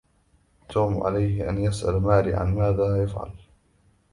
توم عليه أن يسأل ماري عن ماذا يفعل.